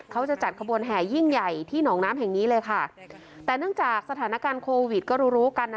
เขาจะจัดขบวนแห่ยิ่งใหญ่ที่หนองน้ำแห่งนี้เลยค่ะแต่เนื่องจากสถานการณ์โควิดก็รู้รู้กันนะ